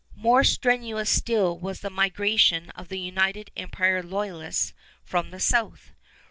More strenuous still was the migration of the United Empire Loyalists from the south.